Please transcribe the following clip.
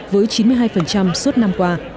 với chín mươi hai suốt năm qua